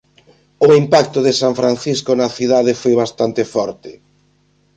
O impacto de San Francisco na cidade foi bastante forte.